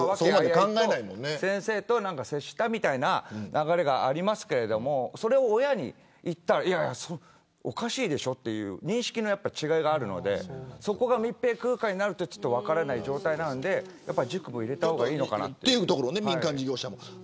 先生と接したみたいな流れがありましたけどそれを親に言ったらおかしいでしょと認識の違いがあるのでそこが密閉空間になると分からないので塾も入れた方がいいのかなと。